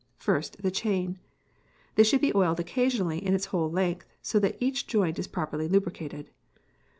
First the chain. This should be oiled occasionally in its whole length, so that each joint is properly lubricated.